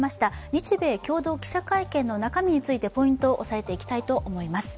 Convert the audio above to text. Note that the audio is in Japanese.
日米共同記者会見の中身についてポイントを押さえていきたいと思います。